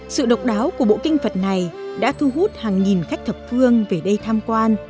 sự độc đáo của bộ kinh phật này đã thu hút hàng nghìn khách thập phương về đây tham quan